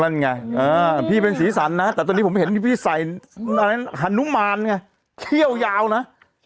ล่าง่ายพี่เป็นศรีษันนะผมพิธีใส่หณุมารเนี่ยเขี้ยวยาวนะ